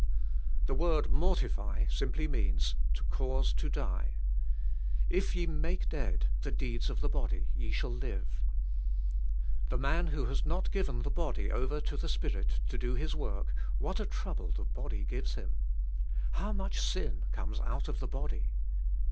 The word "mortify" simply means to cause to die. "If ye make dead the deeds of the body ye shall live. " The man v/ho has not g iven the body over to the Spirit to do His work, what a trouble the body g ives him. How much sin comes out of the body.